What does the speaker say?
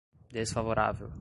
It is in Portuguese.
desfavorável